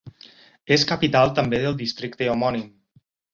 És capital també del districte homònim.